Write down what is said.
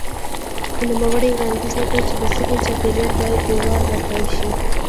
نوموړي وړاندیز وکړ چې د سیمې چاپېره باید دېوال راتاو شي.